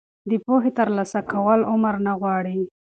د پوهې ترلاسه کول عمر نه غواړي.